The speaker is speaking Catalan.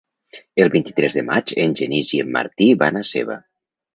El vint-i-tres de maig en Genís i en Martí van a Seva.